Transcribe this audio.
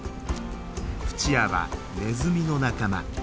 フチアはネズミの仲間。